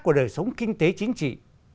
của đời sống kinh tế chính trị